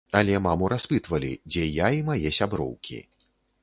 Але маму распытвалі, дзе я і мае сяброўкі.